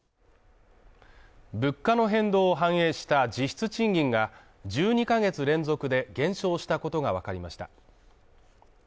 物価の変動を反映した実質賃金が１２ヶ月連続で減少したことがわかりました。